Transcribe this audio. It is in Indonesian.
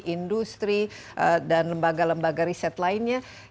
industri dan lembaga lembaga riset lainnya